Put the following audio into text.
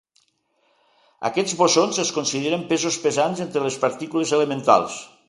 Aquests bosons es consideren pesos pesants entre les partícules elementals.